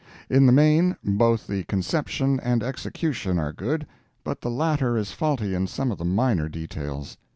In the main, both the conception and execution are good, but the latter is faulty in some of the minor details.